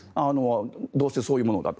どうせそういうものだと。